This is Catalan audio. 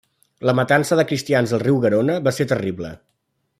La matança de cristians al riu Garona va ser terrible.